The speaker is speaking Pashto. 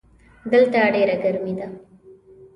دلته ډېره ګرمي ده.